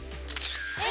え！